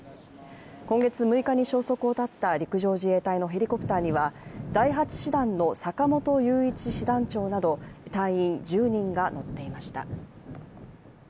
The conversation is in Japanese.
今月６日に消息を絶った陸上自衛隊のヘリコプターには第８師団の坂本雄一師団長など隊員１０人が乗っていました。